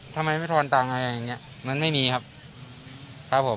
ทำไมไม่ทอนตังค์อะไรอย่างเงี้ยมันไม่มีครับครับผม